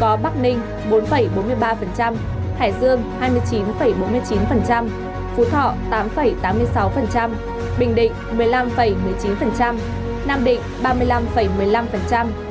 có bắc ninh bốn bốn mươi ba hải dương hai mươi chín bốn mươi chín phú thọ tám tám mươi sáu bình định một mươi năm một mươi chín nam định ba mươi năm một mươi năm